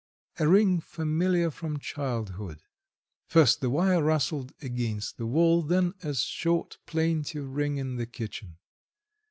A ring familiar from childhood: first the wire rustled against the wall, then a short plaintive ring in the kitchen.